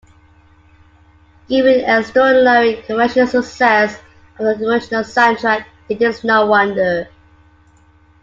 Given the extraordinary commercial success of the original soundtrack, it is no wonder.